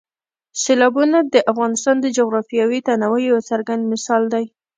سیلابونه د افغانستان د جغرافیوي تنوع یو څرګند مثال دی.